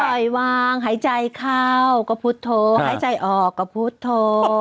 ปล่อยวางหายใจเข้ากับพุทธโธหายใจออกกับพุทธโธ